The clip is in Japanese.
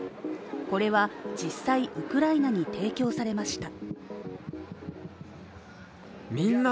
これは実際、ウクライナに提供されました。